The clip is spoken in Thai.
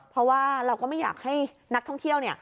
เพราะว่าเราก็ไม่อยากให้นักท่องเที่ยวเนี่ย